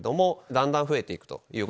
だんだん増えていくと。